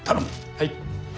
はい。